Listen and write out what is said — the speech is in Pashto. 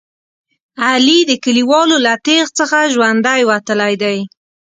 علي د کلیوالو له تېغ څخه ژوندی وتلی دی.